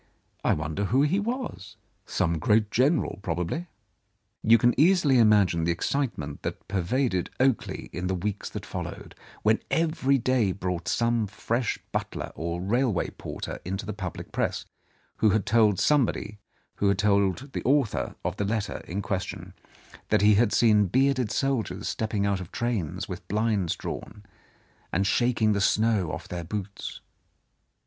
I wonder who he was? Some great general, probably." You can easily imagine the excitement that per vaded Oakley in the weeks that followed, when every day brought some fresh butler or railway porter into the public press, who had told somebody who had told the author of the letter in question that he had seen bearded soldiers stepping out of trains with blinds drawn down, and shaking the snow off their boots.